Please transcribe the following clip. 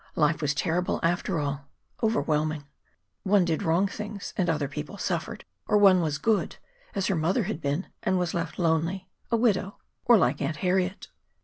Life was terrible, after all overwhelming. One did wrong things, and other people suffered; or one was good, as her mother had been, and was left lonely, a widow, or like Aunt Harriet.